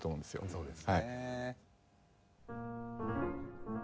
そうですね。